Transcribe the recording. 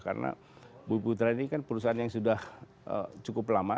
karena bumi putra ini kan perusahaan yang sudah cukup lama